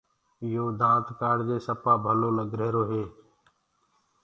يو دآند ڪآڙدي سپآ ڀلو لگ رهيرو هي۔